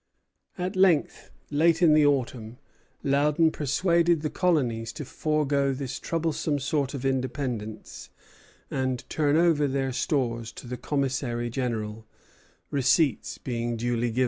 At length, late in the autumn, Loudon persuaded the colonies to forego this troublesome sort of independence, and turn over their stores to the commissary general, receipts being duly given.